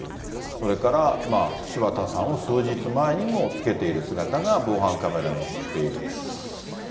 それから柴田さんを数日前にもつけている姿が防犯カメラに写っている。